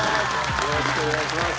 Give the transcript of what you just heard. よろしくお願いします。